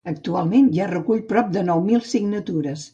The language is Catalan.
Actualment, ja recull prop de nou mil signatures.